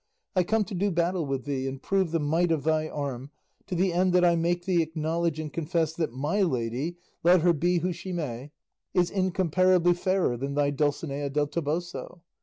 I come to do battle with thee and prove the might of thy arm, to the end that I make thee acknowledge and confess that my lady, let her be who she may, is incomparably fairer than thy Dulcinea del Toboso.